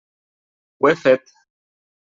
Ho he fet.